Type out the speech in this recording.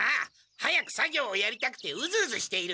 早く作業をやりたくてうずうずしている。